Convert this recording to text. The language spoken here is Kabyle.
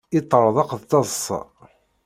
Yeṭṭerḍeq d taḍsa.